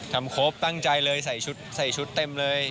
ทำครบตั้งใจเลยใส่ชุดเต็มเลย